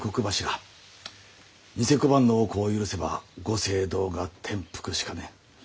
贋小判の横行を許せばご政道が転覆しかねん。